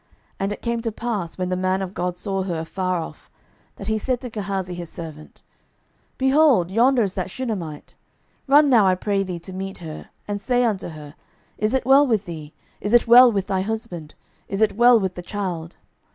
And it came to pass, when the man of God saw her afar off, that he said to Gehazi his servant, Behold, yonder is that Shunammite: 12:004:026 Run now, I pray thee, to meet her, and say unto her, Is it well with thee? is it well with thy husband? is it well with the child?